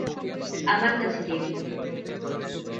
আমার কাছে দিন।